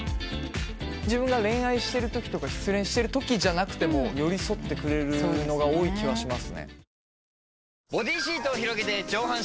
自分が恋愛してるときとか失恋してるときじゃなくても寄り添ってくれるのが多い気はしますね。